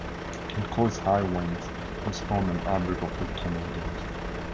It caused high winds and spawned an outbreak of weak tornadoes.